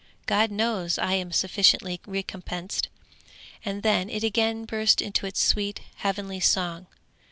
God knows I am sufficiently recompensed!' and then it again burst into its sweet heavenly song.